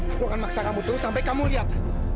aku akan maksa kamu terus sampai kamu liat